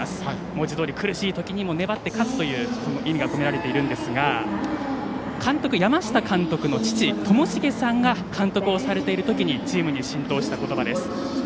文字どおり苦しいときにも粘って勝つという意味が込められていますが山下監督の父・智茂さんが監督をされている時にチームに浸透した言葉です。